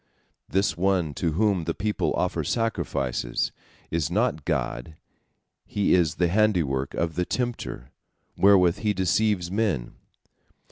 This one to whom the people offer sacrifices is not God, he is the handiwork of the tempter, wherewith he deceives men."